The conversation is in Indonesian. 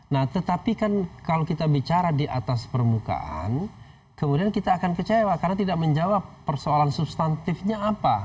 nah tetapi kan kalau kita bicara di atas permukaan kemudian kita akan kecewa karena tidak menjawab persoalan substantifnya apa